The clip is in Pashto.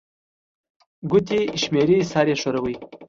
ګوتي شمېري، سر يې ښوري